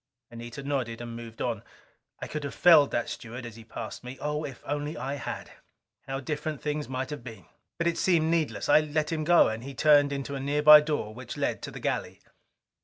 Anita nodded and moved on. I could have felled that steward as he passed me. Oh, if I only had, how different things might have been! But it seemed needless. I let him go, and he turned into a nearby door which led to the galley.